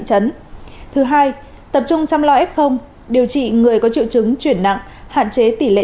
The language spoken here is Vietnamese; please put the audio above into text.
thứ hai tập trung chăm lo f điều trị người có triệu chứng chuyển nặng hạn chế tỷ lệ